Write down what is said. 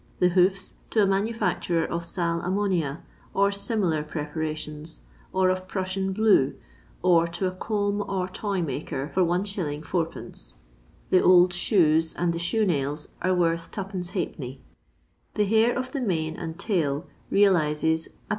The hoofs to a manufacturer of sal ammonia, or similar preparations, or of Prussian blue, or to a comb or toy maker, for Is. Ad. The old shoes and the shoe nails are worth %\A. The hair of the mane and tail realizes 1 \d.